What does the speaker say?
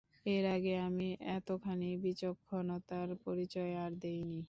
এর আগে, আমি এতখানি বিচক্ষণতার পরিচয় আর দিইনি।